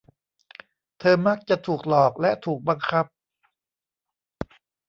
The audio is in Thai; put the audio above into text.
เธอมักจะถูกหลอกและถูกบังคับ